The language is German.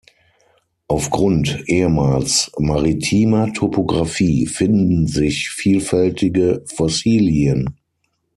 Aufgrund ehemals maritimer Topografie finden sich vielfältige Fossilien.